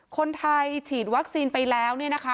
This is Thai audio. คนไทยฉีดวัคซีนไปแล้วนะคะ